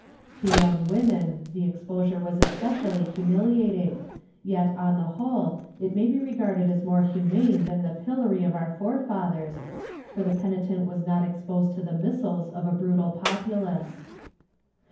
To young women the exposure was especially humiliating, yet, on the whole, it may be regarded as more humane than the pillory of our forefathers, for the penitent was not exposed to the missiles of a brutal populace.